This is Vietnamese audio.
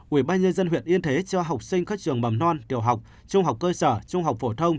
ubnd huyện yên thế cho học sinh khách trường mầm non tiểu học trung học cơ sở trung học phổ thông